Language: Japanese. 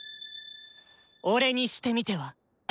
「俺」にしてみては？